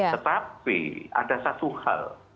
tetapi ada satu hal